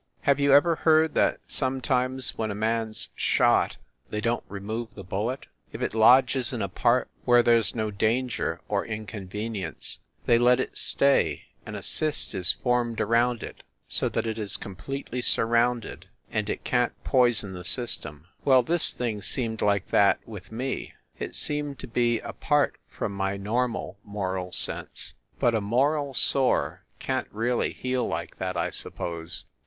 Have you ever heard that sometimes, when a man s shot, they don t remove the bullet? If it lodges in a part where there s no danger or incon venience, they let it stay, and a cyst is formed around it so that it is completely surrounded and it THE SUITE AT THE PLAZA 131 can t poison the system. Well, this thing seemed like that, with me. It seemed to be apart from my normal moral sense. But a moral sore can t really heal like that, I suppose.